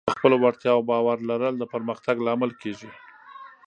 په خپلو وړتیاوو باور لرل د پرمختګ لامل کېږي.